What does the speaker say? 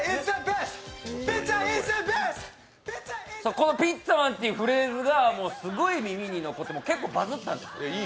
この「ピッツァマン」っていうフレーズがすごい耳に残って結構バズったんです。